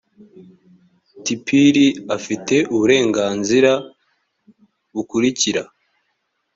tpir afite uburenganzira bukurikira